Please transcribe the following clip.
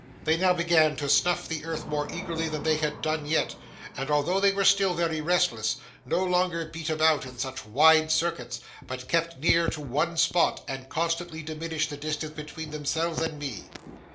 They now began to snuff the earth more eagerly than they had done yet, and although they were still very restless, no longer beat about in such wide circuits, but kept near to one spot, and constantly diminished the distance between themselves and me.